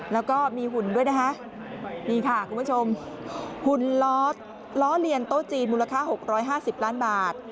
แล้วก็มีหุ่นด้วยนะคะนี่ค่ะคุณผู้ชมหุ่นล้อเลียนโต๊ะจีนมูลค่า๖๕๐ล้านบาท